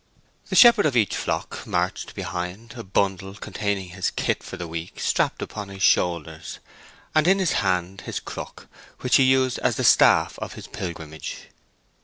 The shepherd of each flock marched behind, a bundle containing his kit for the week strapped upon his shoulders, and in his hand his crook, which he used as the staff of his pilgrimage.